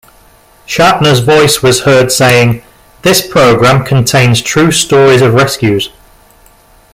Shatner's voice was heard saying: This program contains true stories of rescues.